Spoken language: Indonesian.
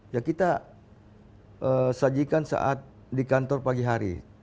ya kita sajikan saat di kantor pagi hari